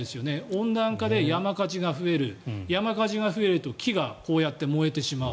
温暖化で山火事が増える山火事が増えると木がこうやって燃えてしまう。